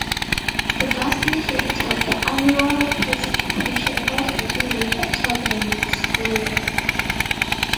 The vast majority of the annual precipitation falls between late autumn and late spring.